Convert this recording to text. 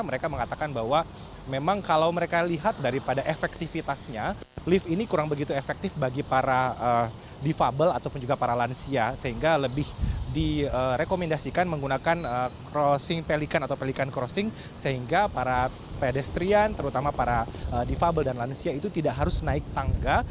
mereka mengatakan bahwa memang kalau mereka lihat daripada efektivitasnya lift ini kurang begitu efektif bagi para defable ataupun juga para lansia sehingga lebih direkomendasikan menggunakan crossing pelikan atau pelikan crossing sehingga para pedestrian terutama para defable dan lansia itu tidak harus naik tangga